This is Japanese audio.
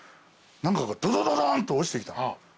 何かがドドドドーンって落ちてきた。